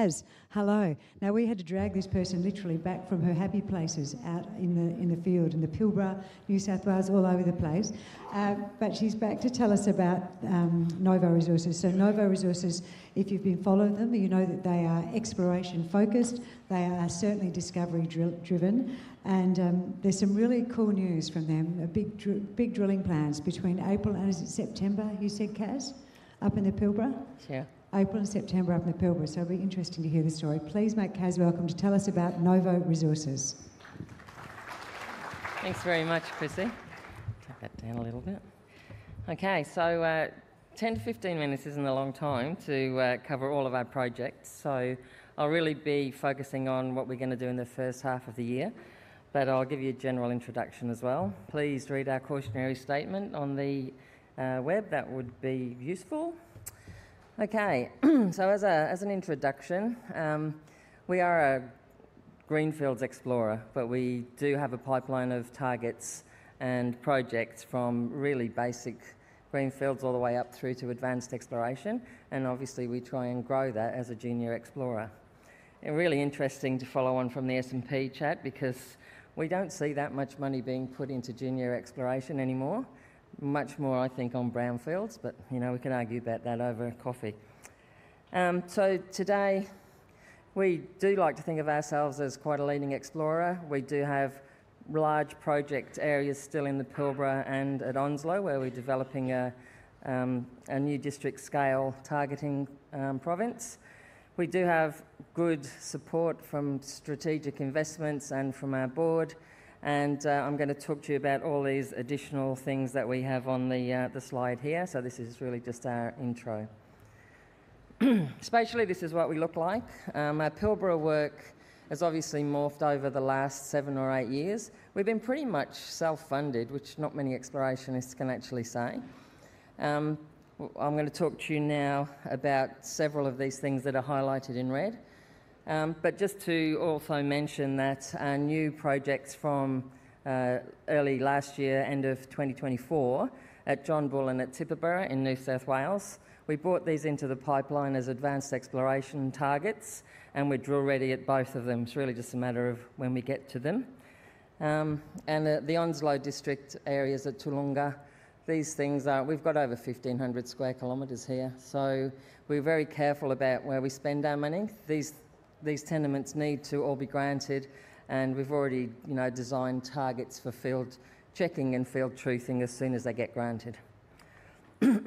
Kas, hello. Now, we had to drag this person literally back from her happy places out in the, in the field, in the Pilbara, New South Wales, all over the place. But she's back to tell us about Novo Resources. So Novo Resources, if you've been following them, you know that they are exploration-focused, they are certainly discovery driven, and there's some really cool news from them. A big drilling plans between April and is it September, you said, Kas? Up in the Pilbara. Yeah. April and September up in the Pilbara, so it'll be interesting to hear the story. Please make Kas welcome to tell us about Novo Resources. Thanks very much, Chrissy. Tack that down a little bit. Okay, so 10-15 minutes isn't a long time to cover all of our projects, so I'll really be focusing on what we're gonna do in the first half of the year. But I'll give you a general introduction as well. Please read our cautionary statement on the web. That would be useful. Okay, so as an introduction, we are a greenfields explorer, but we do have a pipeline of targets and projects from really basic greenfields all the way up through to advanced exploration, and obviously, we try and grow that as a junior explorer. And really interesting to follow on from the S&P chat, because we don't see that much money being put into junior exploration anymore. Much more, I think, on brownfields, but, you know, we can argue about that over coffee. So today, we do like to think of ourselves as quite a leading explorer. We do have large project areas still in the Pilbara and at Onslow, where we're developing a new district-scale targeting province. We do have good support from strategic investments and from our board, and I'm gonna talk to you about all these additional things that we have on the slide here. So this is really just our intro. Spatially, this is what we look like. Our Pilbara work has obviously morphed over the last seven or eight years. We've been pretty much self-funded, which not many explorationists can actually say. I'm going to talk to you now about several of these things that are highlighted in red. But just to also mention that our new projects from early last year, end of 2024, at John Bull and at Tibooburra in New South Wales, we brought these into the pipeline as advanced exploration targets, and we're drill-ready at both of them. It's really just a matter of when we get to them. And at the Onslow District areas at Toolunga, these things are... We've got over 1,500 sq km here, so we're very careful about where we spend our money. These tenements need to all be granted, and we've already, you know, designed targets for field checking and field truthing as soon as they get granted. Oh,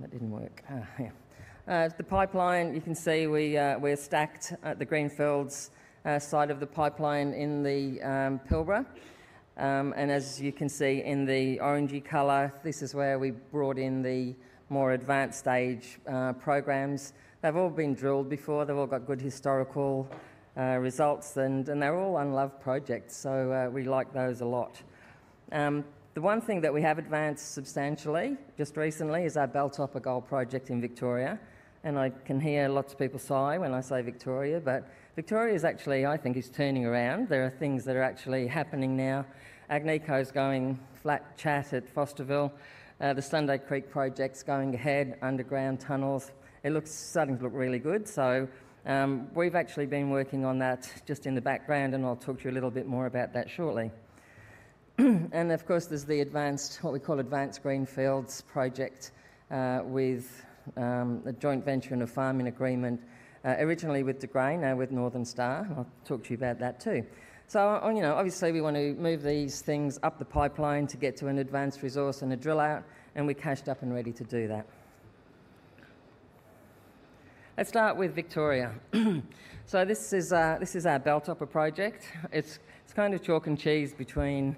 that didn't work. Yeah. The pipeline, you can see we're stacked at the greenfields side of the pipeline in the Pilbara. As you can see in the orangey color, this is where we brought in the more advanced stage programs. They've all been drilled before, they've all got good historical results, and they're all unloved projects, so we like those a lot. The one thing that we have advanced substantially, just recently, is our Belltopper Gold Project in Victoria, and I can hear lots of people sigh when I say Victoria, but Victoria is actually—I think is turning around. There are things that are actually happening now. Agnico is going flat chat at Fosterville. The Sunday Creek project's going ahead, underground tunnels. It looks, starting to look really good. So, we've actually been working on that just in the background, and I'll talk to you a little bit more about that shortly. Of course, there's the advanced, what we call advanced greenfields project, with a joint venture and a farm-in agreement, originally with De Grey, now with Northern Star. I'll talk to you about that, too. You know, obviously, we want to move these things up the pipeline to get to an advanced resource and a drill out, and we're cashed up and ready to do that. Let's start with Victoria. This is our Belltopper project. It's kind of chalk and cheese between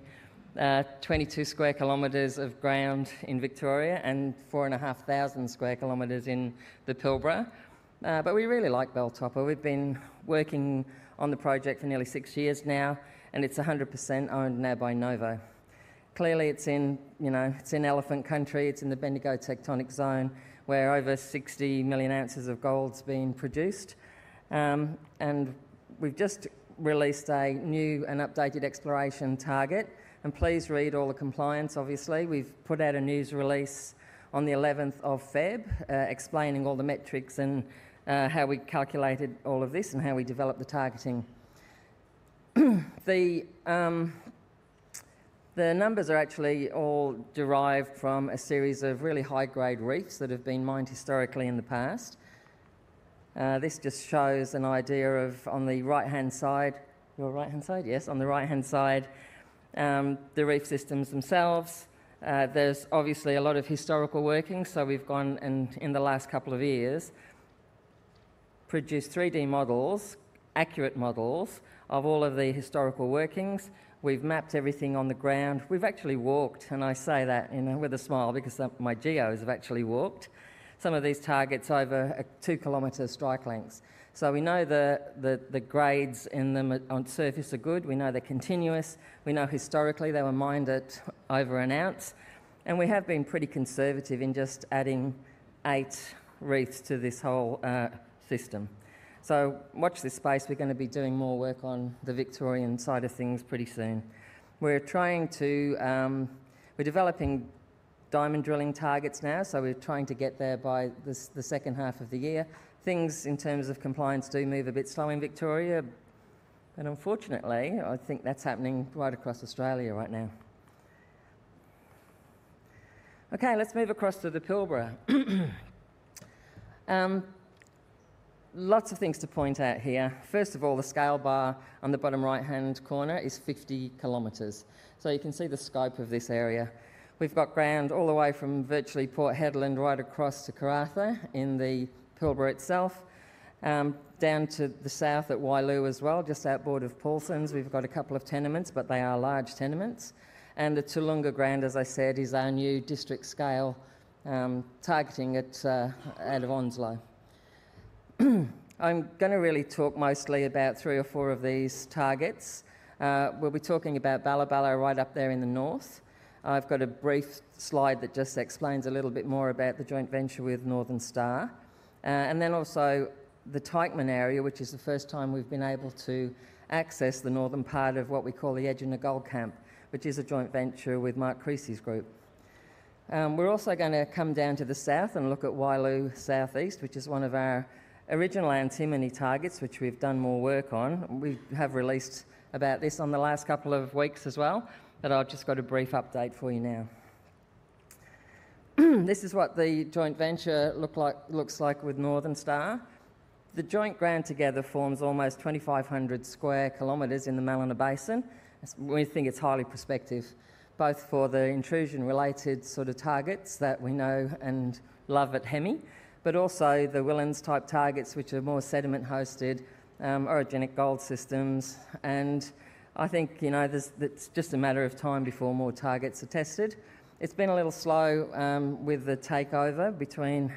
22 sq km of ground in Victoria and 4,500 sq km in the Pilbara. We really like Belltopper. We've been working on the project for nearly six years now, and it's 100% owned now by Novo. Clearly, it's in, you know, it's in elephant country. It's in the Bendigo Tectonic Zone, where over 60 million ounces of gold's been produced. We've just released a new and updated exploration target, and please read all the compliance obviously. We've put out a news release on the 11th of February, explaining all the metrics and, how we calculated all of this, and how we developed the targeting. The numbers are actually all derived from a series of really high-grade reefs that have been mined historically in the past. This just shows an idea of, on the right-hand side... Your right-hand side? Yes, on the right-hand side, the reef systems themselves. There's obviously a lot of historical workings, so we've gone and, in the last couple of years, produced 3D models, accurate models, of all of the historical workings. We've mapped everything on the ground. We've actually walked, and I say that, you know, with a smile, because some of my geos have actually walked some of these targets over a 2 km strike length. So we know the grades in them on surface are good. We know they're continuous. We know historically they were mined at over an ounce, and we have been pretty conservative in just adding eight reefs to this whole system. So watch this space. We're gonna be doing more work on the Victorian side of things pretty soon. We're trying to We're developing diamond drilling targets now, so we're trying to get there by the second half of the year. Things in terms of compliance do move a bit slow in Victoria, and unfortunately, I think that's happening right across Australia right now. Okay, let's move across to the Pilbara. Lots of things to point out here. First of all, the scale bar on the bottom right-hand corner is 50 km, so you can see the scope of this area. We've got ground all the way from virtually Port Hedland right across to Karratha in the Pilbara itself, down to the south at Wyloo as well, just outboard of Paulsens. We've got a couple of tenements, but they are large tenements, and the Toolunga ground, as I said, is our new district scale, targeting at out of Onslow. I'm gonna really talk mostly about three or four of these targets. We'll be talking about Balla Balla, right up there in the north. I've got a brief slide that just explains a little bit more about the joint venture with Northern Star. and then also the Teichman area, which is the first time we've been able to access the northern part of what we call the Egina Gold Camp, which is a joint venture with Mark Creasy's group. We're also gonna come down to the south and look at Wyloo Southeast, which is one of our original antimony targets, which we've done more work on. We have released about this on the last couple of weeks as well, but I've just got a brief update for you now. This is what the joint venture look like, looks like with Northern Star. The joint ground together forms almost 2,500 sq km in the Mallina Basin. We think it's highly prospective, both for the intrusion-related sort of targets that we know and love at Hemi, but also the Withnell-type targets, which are more sediment-hosted, orogenic gold systems, and I think, you know, this, it's just a matter of time before more targets are tested. It's been a little slow, with the takeover between,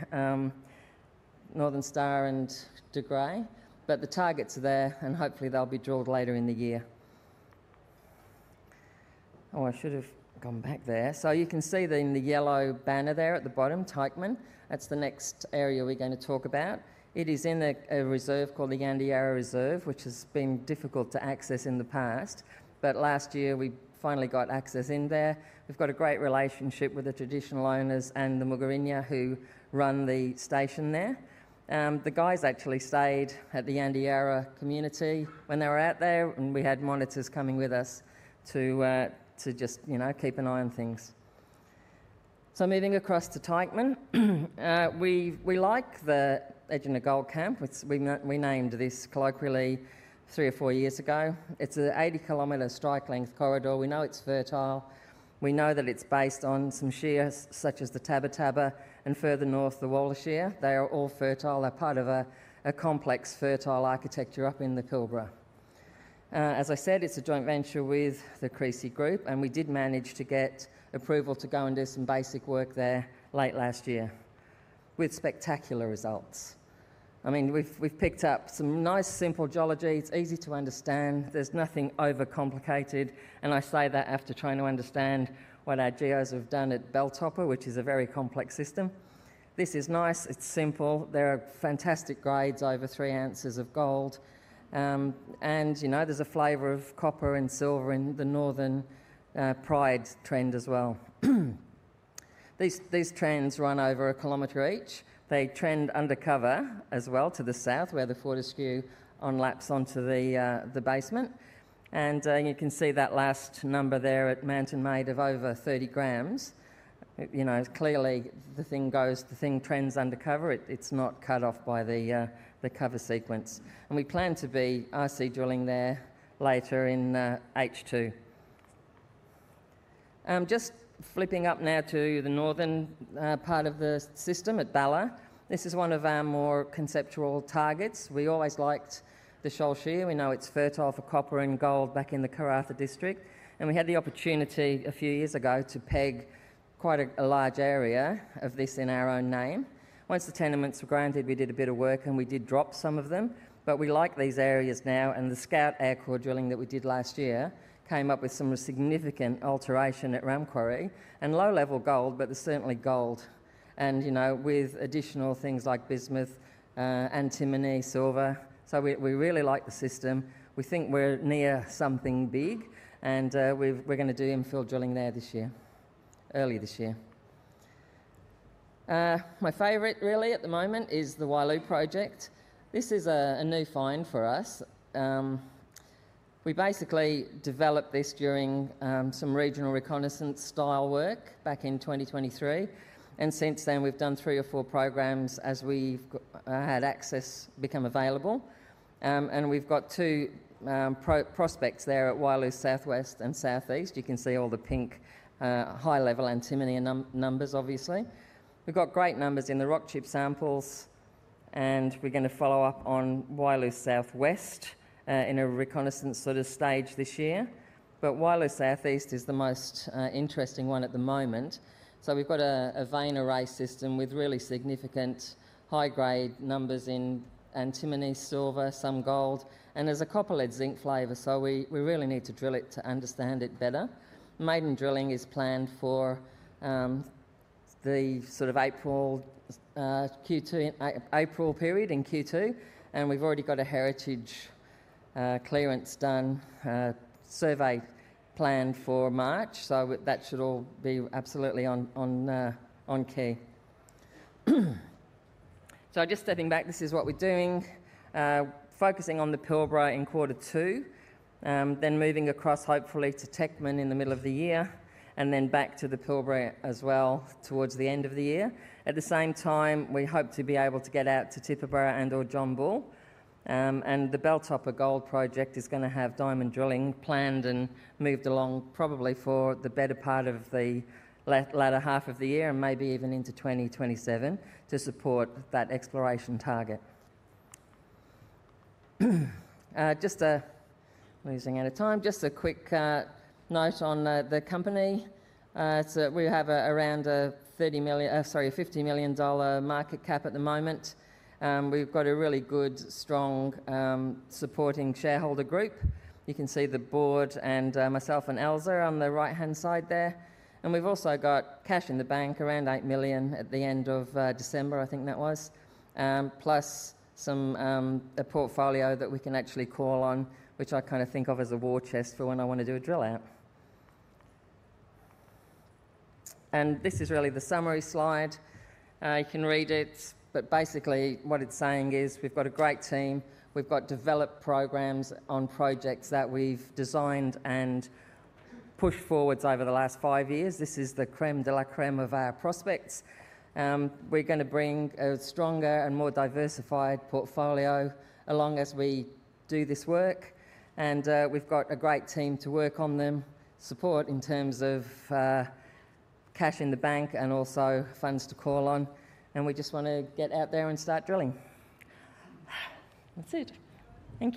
Northern Star and De Grey, but the targets are there, and hopefully they'll be drilled later in the year. Oh, I should have gone back there. So you can see the, in the yellow banner there at the bottom, Teichman. That's the next area we're going to talk about. It is in a reserve called the Yandeyarra Reserve, which has been difficult to access in the past, but last year, we finally got access in there. We've got a great relationship with the traditional owners and the Mugarinya who run the station there. The guys actually stayed at the Yandeyarra community when they were out there, and we had monitors coming with us to just, you know, keep an eye on things. Moving across to Teichman. We, we like the Egina Gold Camp, which we named this colloquially three or four years ago. It's an 80 km strike length corridor. We know it's fertile. We know that it's based on some shears, such as the Tabba Tabba and further north, the Wohler Shear. They are all fertile. They're part of a complex, fertile architecture up in the Pilbara. As I said, it's a joint venture with the Creasy Group, and we did manage to get approval to go and do some basic work there late last year with spectacular results. I mean, we've picked up some nice, simple geology. It's easy to understand. There's nothing overcomplicated, and I say that after trying to understand what our geos have done at Belltopper, which is a very complex system. This is nice. It's simple. There are fantastic grades, over three ounces of gold, and, you know, there's a flavor of copper and silver in the Northern Pride Trend as well. These trends run over 1 km each. They trend undercover as well to the south, where the Fortescue onlaps onto the basement, and you can see that last number there at Mountain Maid of over 30 g. You know, clearly, the thing trends undercover. It, it's not cut off by the cover sequence, and we plan to be RC drilling there later in H2. Just flipping up now to the northern part of the system at Balla. This is one of our more conceptual targets. We always liked the Sholl Shear. We know it's fertile for copper and gold back in the Karratha district, and we had the opportunity a few years ago to peg quite a large area of this in our own name. Once the tenements were granted, we did a bit of work, and we did drop some of them, but we like these areas now, and the scout aircore drilling that we did last year came up with some significant alteration at Ram Quarry and low-level gold, but there's certainly gold and, you know, with additional things like bismuth, antimony, silver. So we really like the system. We think we're near something big, and we're gonna do infill drilling there this year, early this year. My favorite really at the moment is the Wyloo project. This is a new find for us. We basically developed this during some regional reconnaissance-style work back in 2023, and since then, we've done three or four programs as we've had access become available. We've got two prospects there at Wyloo Southwest and Southeast. You can see all the pink, high-level antimony numbers obviously. We've got great numbers in the rock chip samples, and we're gonna follow up on Wyloo Southwest in a reconnaissance sort of stage this year. Wyloo Southeast is the most interesting one at the moment. We've got a vein array system with really significant high-grade numbers in antimony, silver, some gold, and there's a copper lead zinc flavor, so we really need to drill it to understand it better. Maiden drilling is planned for the sort of April, Q2, April period in Q2, and we've already got a heritage clearance done, survey planned for March, so that should all be absolutely on key. So just stepping back, this is what we're doing. Focusing on the Pilbara in quarter two, then moving across hopefully to Teichman in the middle of the year, and then back to the Pilbara as well towards the end of the year. At the same time, we hope to be able to get out to Tibooburra and/or John Bull. The Belltopper Gold Project is gonna have diamond drilling planned and moved along probably for the better part of the latter half of the year, and maybe even into 2027 to support that exploration target. Just, we're losing out of time, just a quick note on the company. It's, we have around a 30 million, sorry, a 50 million dollar market cap at the moment. We've got a really good, strong, supporting shareholder group. You can see the board and, myself and Elza on the right-hand side there, and we've also got cash in the bank, around 8 million at the end of December, I think that was. Plus some, a portfolio that we can actually call on, which I kind of think of as a war chest for when I wanna do a drill out. And this is really the summary slide. You can read it, but basically what it's saying is, we've got a great team, we've got developed programs on projects that we've designed and pushed forwards over the last five years. This is the crème de la crème of our prospects. We're gonna bring a stronger and more diversified portfolio along as we do this work, and we've got a great team to work on them, support in terms of cash in the bank and also funds to call on, and we just wanna get out there and start drilling. That's it. Thank you!